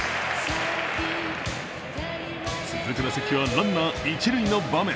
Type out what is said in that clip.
続く打席はランナー、一塁の場面。